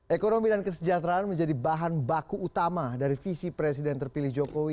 ekonomi dan kesejahteraan menjadi bahan baku utama dari visi presiden terpilih jokowi